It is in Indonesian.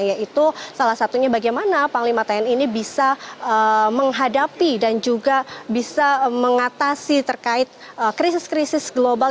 yaitu salah satunya bagaimana panglima tni ini bisa menghadapi dan juga bisa mengatasi terkait krisis krisis global